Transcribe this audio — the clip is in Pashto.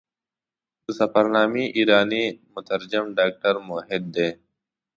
د سفرنامې ایرانی مترجم ډاکټر موحد دی.